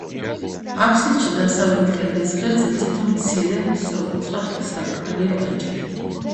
აფსიდში და დასავლეთ კედლის ღერძზე თითო მცირე, სწორკუთხა სარკმელია გაჭრილი.